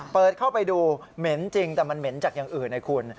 เปิดเข้าไปดูเหม็นจริงแต่มันเหม็นจากอย่างอื่นไงคุณ